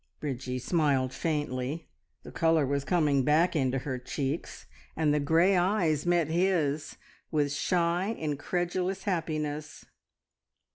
Bridgie smiled faintly; the colour was coming back into her cheeks, and the grey eyes met his with shy, incredulous happiness.